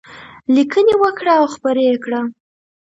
لیکنې وکړه او خپرې یې کړه.